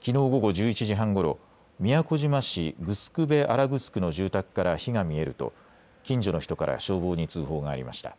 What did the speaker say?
きのう午後１１時半ごろ、宮古島市城辺新城の住宅から火が見えると近所の人から消防に通報がありました。